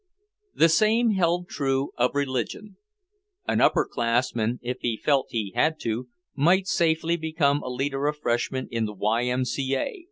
The same held true of religion. An upper classman, if he felt he had to, might safely become a leader of freshmen in the Y. M. C. A.